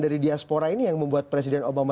dari diaspora ini yang membuat presiden obama